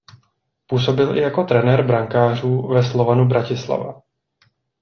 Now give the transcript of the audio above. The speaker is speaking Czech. Působil i jako trenér brankářů ve Slovanu Bratislava.